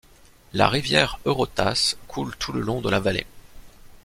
La rivière Eurotas coule tout le long de la vallée.